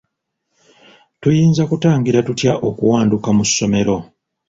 Tuyinza kutangira tutya okuwanduka mu ssomero?